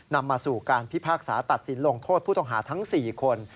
นำมาสู่การพิพากษาตัดสินลงโทษผู้ต้องหาทั้ง๔คน